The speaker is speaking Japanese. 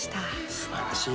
すばらしい！